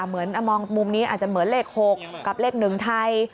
เหมือนมองมุมนี้อาจจะเหมือนเลข๖กับเลข๑ไทย